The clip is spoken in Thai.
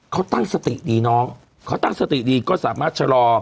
เขาตั้งสติดีน้องเขาตั้งสติดีก็สามารถชะลอ